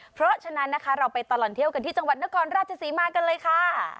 เพราะฉะนั้นนะคะเราไปตลอดเที่ยวกันที่จังหวัดนครราชศรีมากันเลยค่ะ